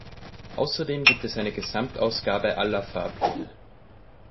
Außerdem gibt es eine Gesamtausgabe aller Fahrpläne.